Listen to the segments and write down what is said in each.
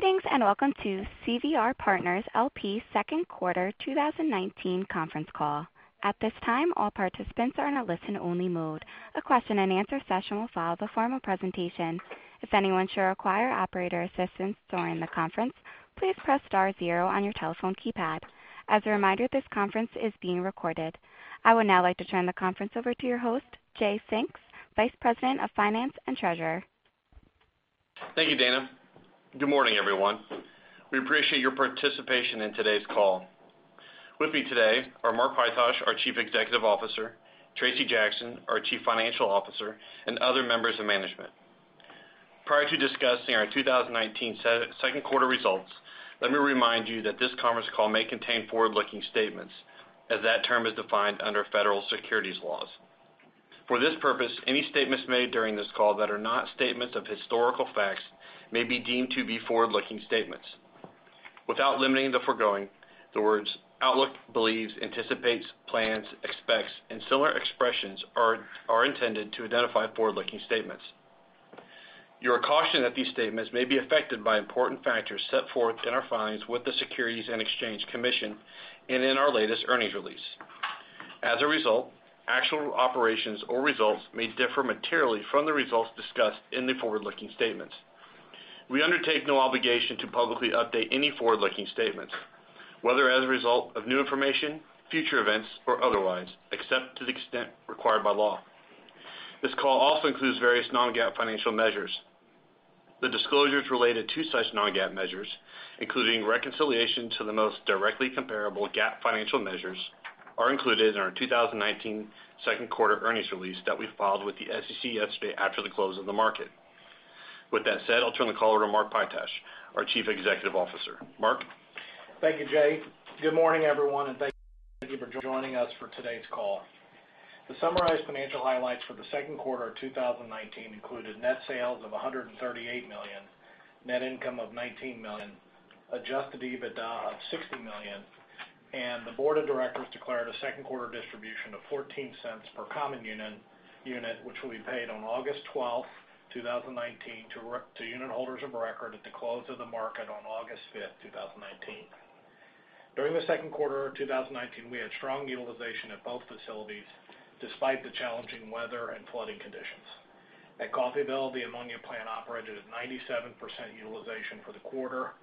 Greetings, and welcome to CVR Partners LP second quarter 2019 conference call. At this time, all participants are in a listen only mode. A question and answer session will follow the formal presentation. If anyone should require operator assistance during the conference, please press star zero on your telephone keypad. As a reminder, this conference is being recorded. I would now like to turn the conference over to your host, Jay Finks, Vice President of Finance and Treasurer. Thank you, Dana. Good morning, everyone. We appreciate your participation in today's call. With me today are Mark Pytosh, our Chief Executive Officer, Tracy Jackson, our Chief Financial Officer, and other members of management. Prior to discussing our 2019 second quarter results, let me remind you that this conference call may contain forward-looking statements as that term is defined under federal securities laws. For this purpose, any statements made during this call that are not statements of historical facts may be deemed to be forward-looking statements. Without limiting the foregoing, the words outlook, believes, anticipates, plans, expects, and similar expressions are intended to identify forward-looking statements. You are cautioned that these statements may be affected by important factors set forth in our filings with the Securities and Exchange Commission and in our latest earnings release. As a result, actual operations or results may differ materially from the results discussed in the forward-looking statements. We undertake no obligation to publicly update any forward-looking statements, whether as a result of new information, future events, or otherwise, except to the extent required by law. This call also includes various non-GAAP financial measures. The disclosures related to such non-GAAP measures, including reconciliation to the most directly comparable GAAP financial measures, are included in our 2019 second quarter earnings release that we filed with the SEC yesterday after the close of the market. With that said, I'll turn the call over to Mark Pytosh, our Chief Executive Officer. Mark? Thank you, Jay. Good morning, everyone, and thank you for joining us for today's call. The summarized financial highlights for the second quarter of 2019 included net sales of $138 million, net income of $19 million, adjusted EBITDA of $60 million, and the board of directors declared a second quarter distribution of $0.14 per common unit, which will be paid on August 12th, 2019 to unit holders of record at the close of the market on August 5th, 2019. During the second quarter of 2019, we had strong utilization at both facilities despite the challenging weather and flooding conditions. At Coffeyville, the ammonia plant operated at 97% utilization for the quarter,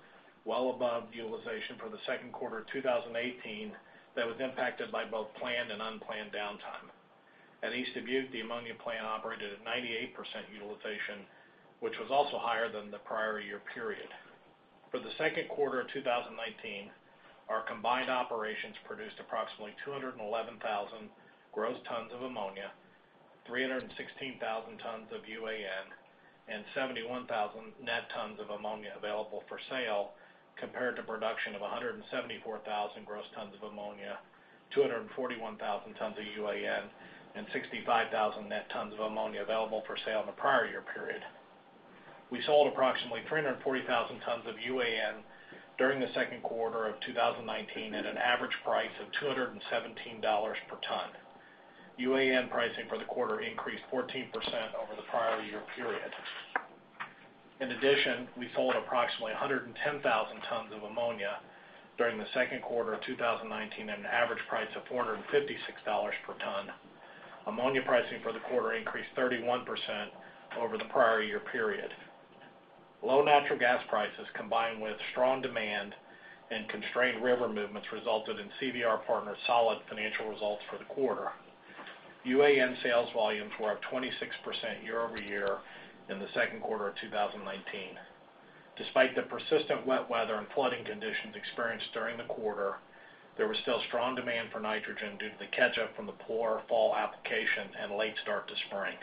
well above utilization for the second quarter of 2018 that was impacted by both planned and unplanned downtime. At East Dubuque, the ammonia plant operated at 98% utilization, which was also higher than the prior year period. For the second quarter of 2019, our combined operations produced approximately 211,000 gross tons of ammonia, 316,000 tons of UAN, and 71,000 net tons of ammonia available for sale, compared to production of 174,000 gross tons of ammonia, 241,000 tons of UAN, and 65,000 net tons of ammonia available for sale in the prior year period. We sold approximately 340,000 tons of UAN during the second quarter of 2019 at an average price of $217 per ton. UAN pricing for the quarter increased 14% over the prior year period. We sold approximately 110,000 tons of ammonia during the second quarter of 2019 at an average price of $456 per ton. Ammonia pricing for the quarter increased 31% over the prior year period. Low natural gas prices, combined with strong demand and constrained river movements, resulted in CVR Partners' solid financial results for the quarter. UAN sales volumes were up 26% year-over-year in the second quarter of 2019. Despite the persistent wet weather and flooding conditions experienced during the quarter, there was still strong demand for nitrogen due to the catch-up from the poor fall application and late start to spring.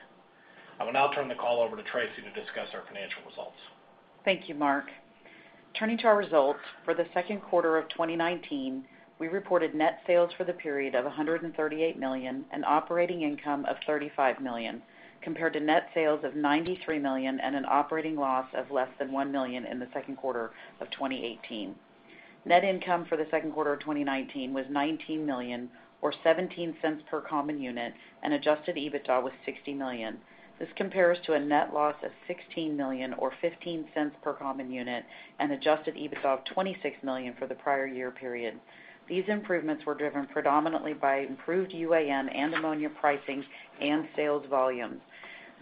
I will now turn the call over to Tracy to discuss our financial results. Thank you, Mark. Turning to our results for the second quarter of 2019, we reported net sales for the period of $138 million and operating income of $35 million, compared to net sales of $93 million and an operating loss of less than $1 million in the second quarter of 2018. Net income for the second quarter of 2019 was $19 million, or $0.17 per common unit, and adjusted EBITDA was $60 million. This compares to a net loss of $16 million, or $0.15 per common unit, and adjusted EBITDA of $26 million for the prior year period. These improvements were driven predominantly by improved UAN and ammonia pricing and sales volumes.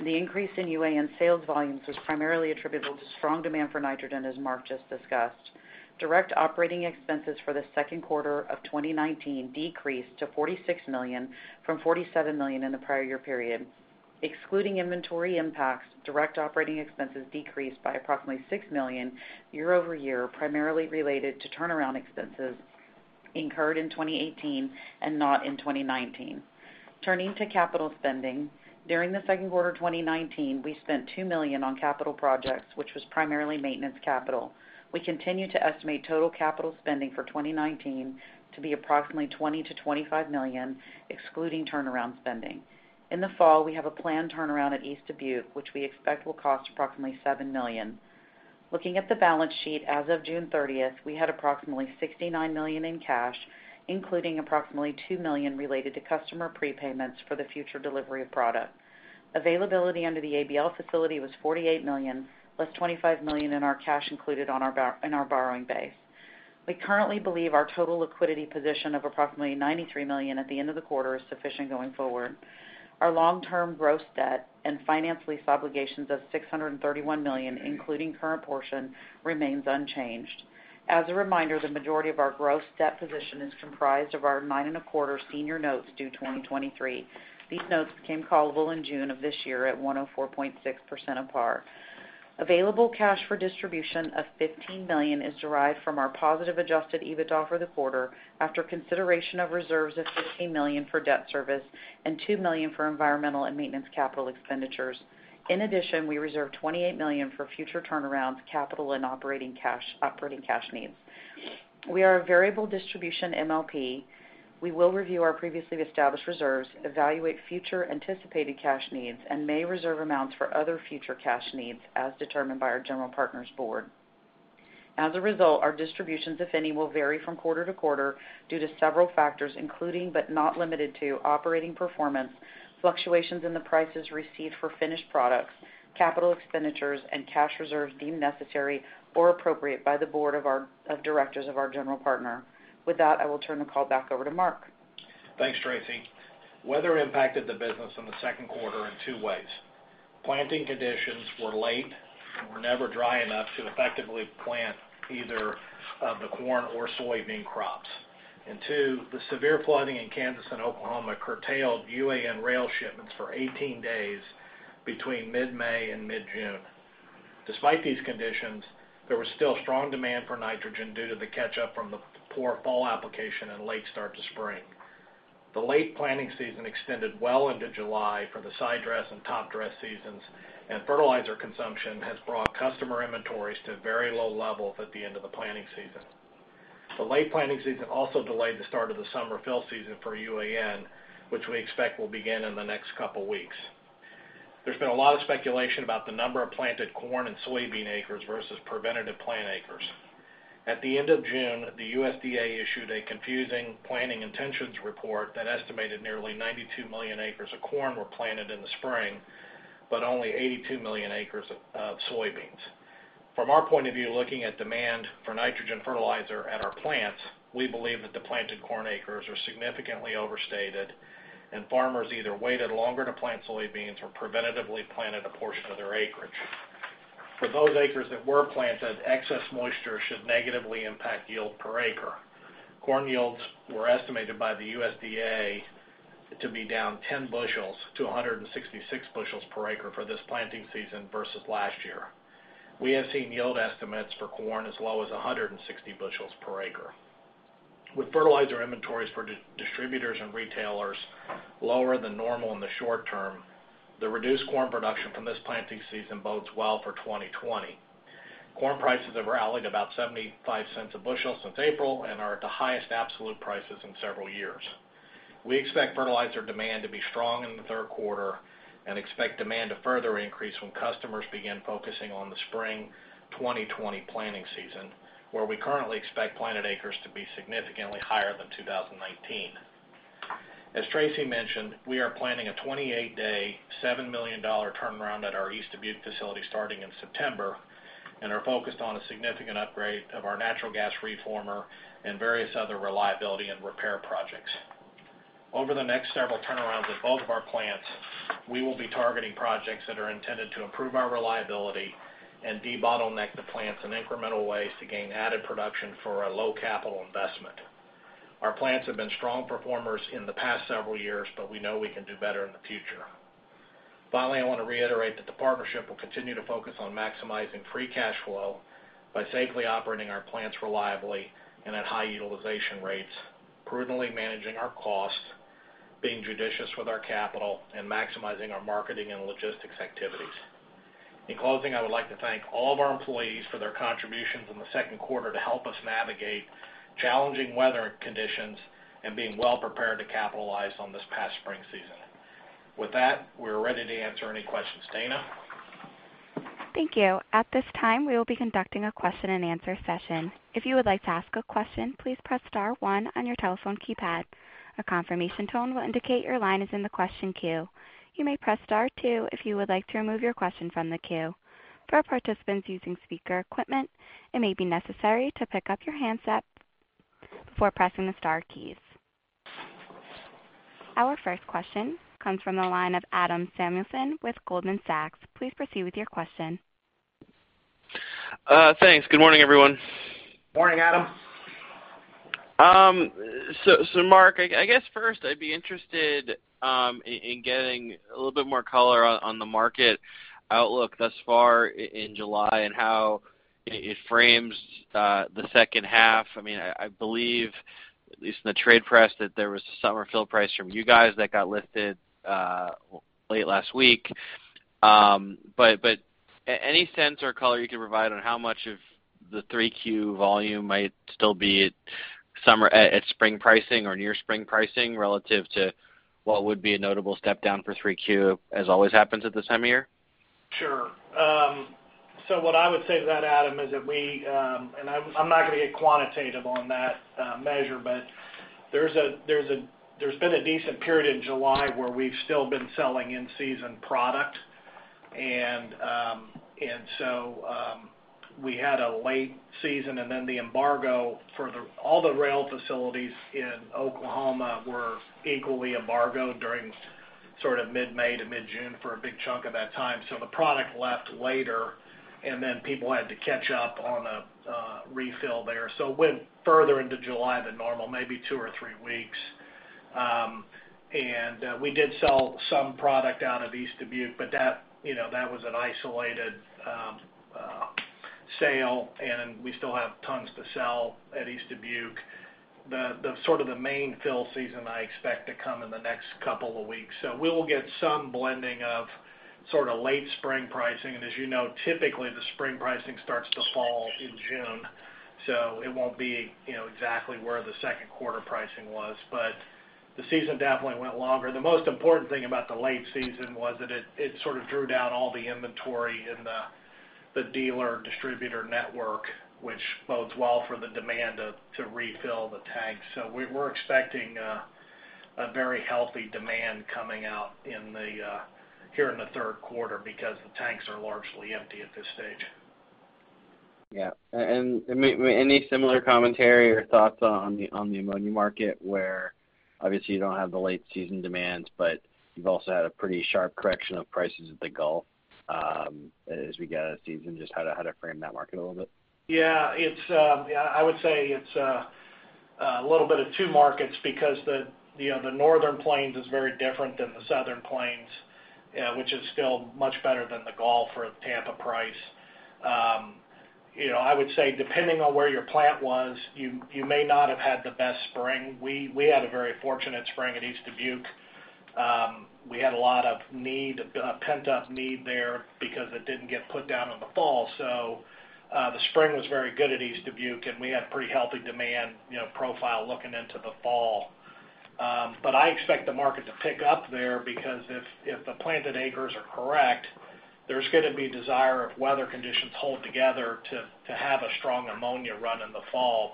The increase in UAN sales volumes was primarily attributable to strong demand for nitrogen, as Mark just discussed. Direct operating expenses for the second quarter of 2019 decreased to $46 million from $47 million in the prior year period. Excluding inventory impacts, direct operating expenses decreased by approximately $6 million year-over-year, primarily related to turnaround expenses incurred in 2018 and not in 2019. Turning to capital spending, during the second quarter 2019, we spent $2 million on capital projects, which was primarily maintenance capital. We continue to estimate total capital spending for 2019 to be approximately $20 million-$25 million, excluding turnaround spending. In the fall, we have a planned turnaround at East Dubuque, which we expect will cost approximately $7 million. Looking at the balance sheet as of June 30th, we had approximately $69 million in cash, including approximately $2 million related to customer prepayments for the future delivery of product. Availability under the ABL facility was $48 million, plus $25 million in our cash included in our borrowing base. We currently believe our total liquidity position of approximately $93 million at the end of the quarter is sufficient going forward. Our long-term gross debt and finance lease obligations of $631 million, including current portion, remains unchanged. As a reminder, the majority of our gross debt position is comprised of our 9.25% Senior Notes due 2023. These notes became callable in June of this year at 104.6% of par. Available cash for distribution of $15 million is derived from our positive adjusted EBITDA for the quarter after consideration of reserves of $15 million for debt service and $2 million for environmental and maintenance capital expenditures. In addition, we reserved $28 million for future turnarounds, capital and operating cash needs. We are a variable distribution MLP. We will review our previously established reserves, evaluate future anticipated cash needs, and may reserve amounts for other future cash needs as determined by our general partner's board. As a result, our distributions, if any, will vary from quarter-to-quarter due to several factors, including, but not limited to, operating performance, fluctuations in the prices received for finished products, capital expenditures, and cash reserves deemed necessary or appropriate by the board of directors of our general partner. With that, I will turn the call back over to Mark. Thanks, Tracy. Weather impacted the business in the second quarter in two ways. Planting conditions were late and were never dry enough to effectively plant either the corn or soybean crops. Two, the severe flooding in Kansas and Oklahoma curtailed UAN rail shipments for 18 days between mid-May and mid-June. Despite these conditions, there was still strong demand for nitrogen due to the catch-up from the poor fall application and late start to spring. The late planting season extended well into July for the side dress and top dress seasons, and fertilizer consumption has brought customer inventories to very low levels at the end of the planting season. The late planting season also delayed the start of the summer fill season for UAN, which we expect will begin in the next couple of weeks. There's been a lot of speculation about the number of planted corn and soybean acres versus prevented planting acres. At the end of June, the USDA issued a confusing planting intentions report that estimated nearly 92 million acres of corn were planted in the spring, but only 82 million acres of soybeans. From our point of view, looking at demand for nitrogen fertilizer at our plants, we believe that the planted corn acres are significantly overstated, and farmers either waited longer to plant soybeans or preventatively planted a portion of their acreage. For those acres that were planted, excess moisture should negatively impact yield per acre. Corn yields were estimated by the USDA to be down 10 bushels to 166 bushels per acre for this planting season versus last year. We have seen yield estimates for corn as low as 160 bushels per acre. With fertilizer inventories for distributors and retailers lower than normal in the short term, the reduced corn production from this planting season bodes well for 2020. Corn prices have rallied about $0.75 a bushel since April and are at the highest absolute prices in several years. We expect fertilizer demand to be strong in the third quarter and expect demand to further increase when customers begin focusing on the spring 2020 planting season, where we currently expect planted acres to be significantly higher than 2019. As Tracy mentioned, we are planning a 28-day, $7 million turnaround at our East Dubuque facility starting in September, and are focused on a significant upgrade of our natural gas reformer and various other reliability and repair projects. Over the next several turnarounds at both of our plants, we will be targeting projects that are intended to improve our reliability and debottleneck the plants in incremental ways to gain added production for a low capital investment. Our plants have been strong performers in the past several years, but we know we can do better in the future. Finally, I want to reiterate that the partnership will continue to focus on maximizing free cash flow by safely operating our plants reliably and at high utilization rates, prudently managing our costs, being judicious with our capital, and maximizing our marketing and logistics activities. In closing, I would like to thank all of our employees for their contributions in the second quarter to help us navigate challenging weather conditions and being well prepared to capitalize on this past spring season. With that, we're ready to answer any questions. Dana? Thank you. At this time, we will be conducting a question and answer session. If you would like to ask a question, please press star one on your telephone keypad. A confirmation tone will indicate your line is in the question queue. You may press star two if you would like to remove your question from the queue. For participants using speaker equipment, it may be necessary to pick up your handset before pressing the star keys. Our first question comes from the line of Adam Samuelson with Goldman Sachs. Please proceed with your question. Thanks. Good morning, everyone. Morning, Adam. Mark, I guess first I'd be interested in getting a little bit more color on the market outlook thus far in July and how it frames the second half. I believe, at least in the trade press, that there was a summer fill price from you guys that got lifted late last week. Any sense or color you can provide on how much of the 3Q volume might still be summer at spring pricing or near spring pricing relative to what would be a notable step down for 3Q, as always happens at this time of year? Sure. What I would say to that, Adam, is that I'm not going to get quantitative on that measure, but there's been a decent period in July where we've still been selling in-season product. We had a late season, and then the embargo for all the rail facilities in Oklahoma were equally embargoed during mid-May to mid-June for a big chunk of that time. The product left later, and then people had to catch up on a refill there. It went further into July than normal, maybe two or three weeks. We did sell some product out of East Dubuque, but that was an isolated sale, and we still have tons to sell at East Dubuque. The main fill season I expect to come in the next couple of weeks. We will get some blending of late spring pricing. As you know, typically, the spring pricing starts to fall in June. It won't be exactly where the second quarter pricing was. The season definitely went longer. The most important thing about the late season was that it sort of drew down all the inventory in the dealer distributor network, which bodes well for the demand to refill the tanks. We're expecting a very healthy demand coming out here in the third quarter because the tanks are largely empty at this stage. Yeah. Any similar commentary or thoughts on the ammonia market where obviously you don't have the late season demands, but you've also had a pretty sharp correction of prices at the Gulf as we get out of season? Just how to frame that market a little bit. Yeah. I would say it's a little bit of two markets because the Northern Plains is very different than the Southern Plains, which is still much better than the Gulf or the Tampa price. I would say depending on where your plant was, you may not have had the best spring. We had a very fortunate spring at East Dubuque. We had a lot of pent-up need there because it didn't get put down in the fall. The spring was very good at East Dubuque, and we had pretty healthy demand profile looking into the fall. I expect the market to pick up there, because if the planted acres are correct, there's going to be desire if weather conditions hold together to have a strong ammonia run in the fall.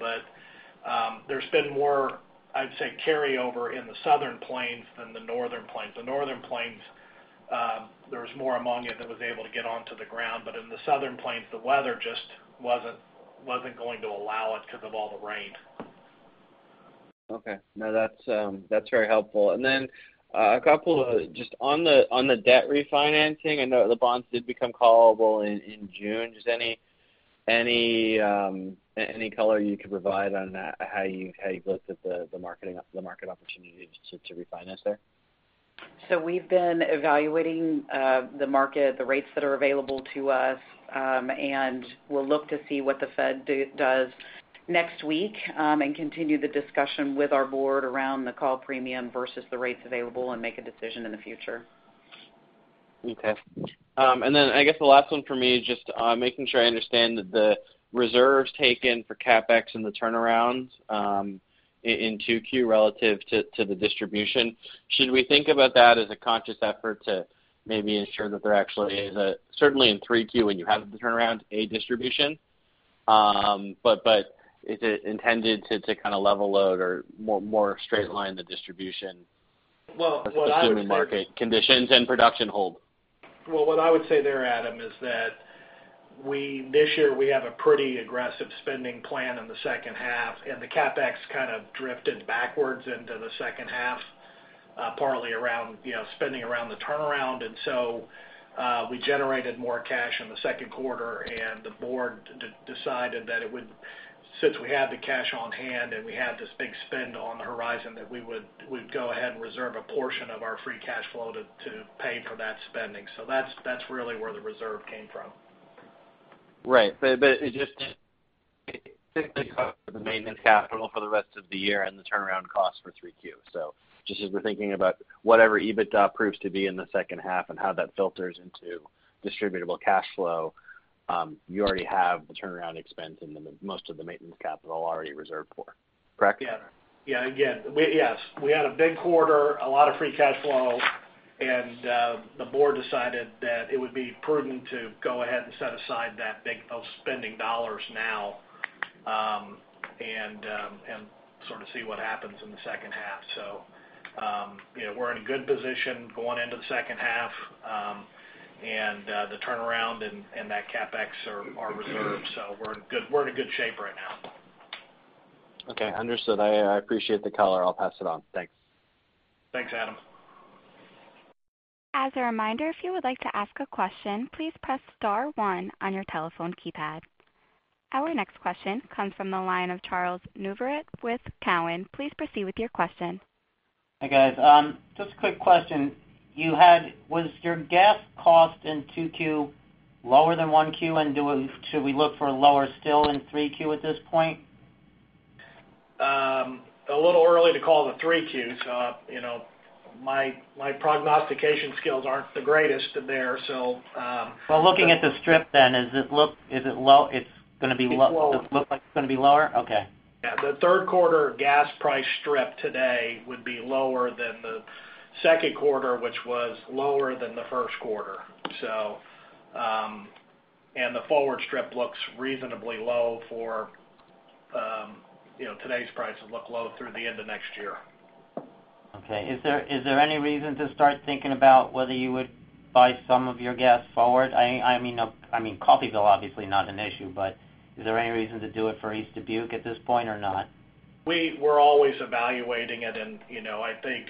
There's been more, I'd say, carryover in the Southern Plains than the Northern Plains. The Northern Plains, there was more ammonia that was able to get onto the ground. In the Southern Plains, the weather just wasn't going to allow it because of all the rain. Okay. No, that's very helpful. Just on the debt refinancing, I know the bonds did become callable in June. Just any color you could provide on that, how you've looked at the market opportunity to refinance there? We've been evaluating the market, the rates that are available to us. We'll look to see what the Fed does next week, and continue the discussion with our board around the call premium versus the rates available and make a decision in the future. Okay. I guess the last one for me is just making sure I understand the reserves taken for CapEx and the turnarounds in 2Q relative to the distribution. Should we think about that as a conscious effort to maybe ensure that there actually is a, certainly in 3Q when you have the turnaround, a distribution? Is it intended to kind of level load or more straight line the distribution? Well, what I would say- Assuming market conditions and production hold. Well, what I would say there, Adam, is that this year we have a pretty aggressive spending plan in the second half, and the CapEx kind of drifted backwards into the second half, partly around spending around the turnaround. We generated more cash in the second quarter and the board decided that since we had the cash on hand and we had this big spend on the horizon, that we would go ahead and reserve a portion of our free cash flow to pay for that spending. That's really where the reserve came from. Right. It just the maintenance capital for the rest of the year and the turnaround cost for 3Q. Just as we're thinking about whatever EBITDA proves to be in the second half and how that filters into distributable cash flow, you already have the turnaround expense and most of the maintenance capital already reserved for. Correct? Yeah. Again, yes. We had a big quarter, a lot of free cash flow. The board decided that it would be prudent to go ahead and set aside those spending dollars now, and sort of see what happens in the second half. We're in a good position going into the second half. The turnaround and that CapEx are reserved. We're in a good shape right now. Okay, understood. I appreciate the color. I'll pass it on. Thanks. Thanks, Adam. As a reminder, if you would like to ask a question, please press star one on your telephone keypad. Our next question comes from the line of Charles Neivert with Cowen. Please proceed with your question. Hi, guys. Just a quick question. Was your gas cost in 2Q lower than 1Q? Should we look for lower still in 3Q at this point? A little early to call the 3Qs. My prognostication skills aren't the greatest there. Well, looking at the strip then, it's going to be low. It's low. It looks like it's going to be lower? Okay. Yeah. The third quarter gas price strip today would be lower than the second quarter, which was lower than the first quarter. The forward strip looks reasonably low for today's price. It'll look low through the end of next year. Okay. Is there any reason to start thinking about whether you would buy some of your gas forward? Coffeyville obviously not an issue, but is there any reason to do it for East Dubuque at this point or not? We're always evaluating it, and I think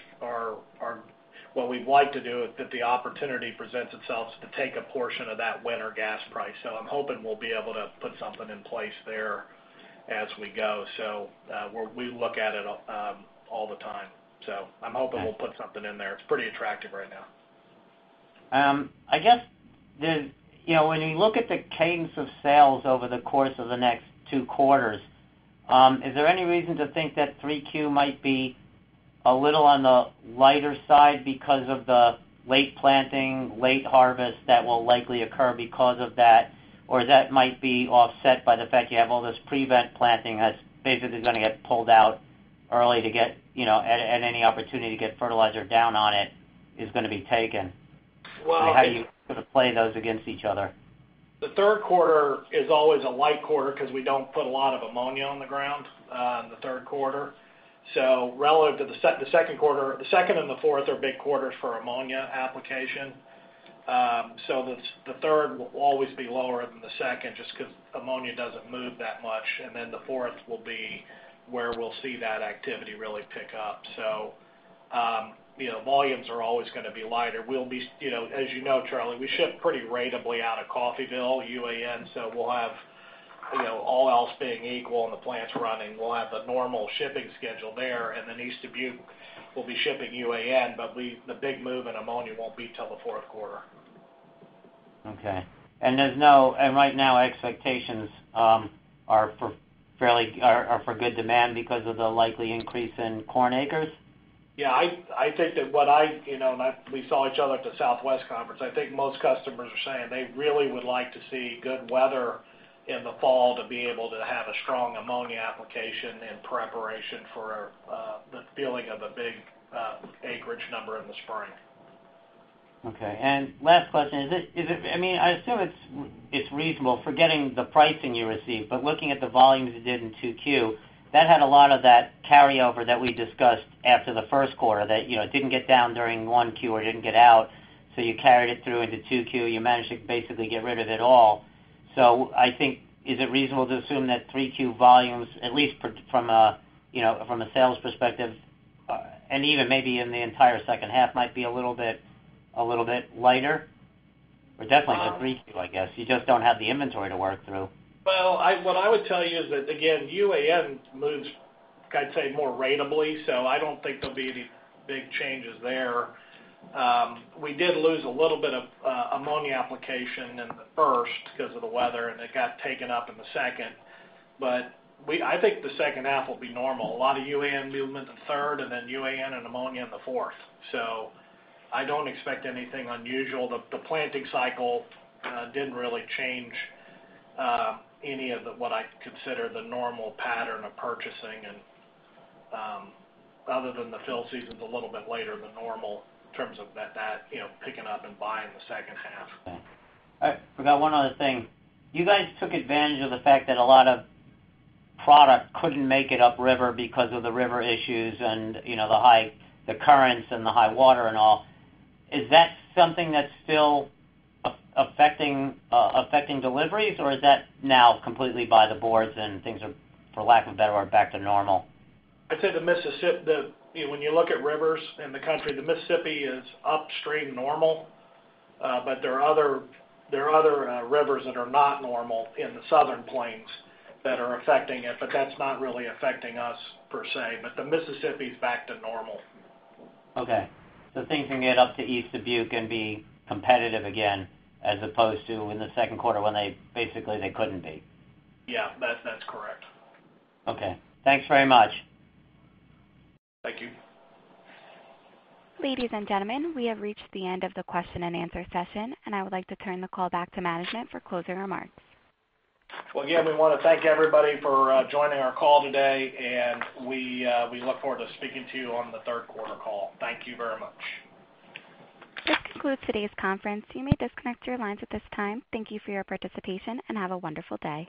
what we'd like to do if the opportunity presents itself is to take a portion of that winter gas price. I'm hoping we'll be able to put something in place there as we go. We look at it all the time. I'm hoping we'll put something in there. It's pretty attractive right now. When you look at the cadence of sales over the course of the next two quarters, is there any reason to think that 3Q might be a little on the lighter side because of the late planting, late harvest that will likely occur because of that? That might be offset by the fact you have all this prevented planting that's basically going to get pulled out early to get at any opportunity to get fertilizer down on it is going to be taken? Well- How are you going to play those against each other? The third quarter is always a light quarter because we don't put a lot of ammonia on the ground in the third quarter. Relative to the second quarter, the second and the fourth are big quarters for ammonia application. The third will always be lower than the second just because ammonia doesn't move that much. The fourth will be where we'll see that activity really pick up. Volumes are always going to be lighter. As you know, Charlie, we ship pretty ratably out of Coffeyville UAN, so all else being equal and the plant's running, we'll have a normal shipping schedule there. East Dubuque will be shipping UAN, but the big move in ammonia won't be till the fourth quarter. Okay. Right now, expectations are for good demand because of the likely increase in corn acres? Yeah. We saw each other at the Southwest Conference. I think most customers are saying they really would like to see good weather in the fall to be able to have a strong ammonia application in preparation for the feeling of a big acreage number in the spring. Okay. Last question. I assume it's reasonable, forgetting the pricing you received, but looking at the volumes you did in 2Q, that had a lot of that carryover that we discussed after the first quarter that didn't get down during 1Q or didn't get out, so you carried it through into 2Q. You managed to basically get rid of it all. I think, is it reasonable to assume that 3Q volumes, at least from a sales perspective, and even maybe in the entire second half, might be a little bit lighter? Definitely for 3Q, I guess. You just don't have the inventory to work through. Well, what I would tell you is that, again, UAN moves, I'd say, more ratably. I don't think there'll be any big changes there. We did lose a little bit of ammonia application in the first because of the weather, and it got taken up in the second. I think the second half will be normal. A lot of UAN movement in the third, and then UAN and ammonia in the fourth. I don't expect anything unusual. The planting cycle didn't really change any of what I consider the normal pattern of purchasing other than the fill season's a little bit later than normal in terms of that picking up and buying the second half. Okay. I forgot one other thing. You guys took advantage of the fact that a lot of product couldn't make it upriver because of the river issues and the currents and the high water and all. Is that something that's still affecting deliveries, or is that now completely by the boards and things are, for lack of a better word, back to normal? When you look at rivers in the country, the Mississippi is upstream normal. There are other rivers that are not normal in the Southern Plains that are affecting it, but that's not really affecting us per se. The Mississippi is back to normal. Okay. Things can get up to East Dubuque and be competitive again as opposed to in the second quarter when basically they couldn't be. Yeah. That's correct. Okay. Thanks very much. Thank you. Ladies and gentlemen, we have reached the end of the question and answer session, and I would like to turn the call back to management for closing remarks. Well, again, we want to thank everybody for joining our call today, and we look forward to speaking to you on the third quarter call. Thank you very much. This concludes today's conference. You may disconnect your lines at this time. Thank you for your participation, and have a wonderful day.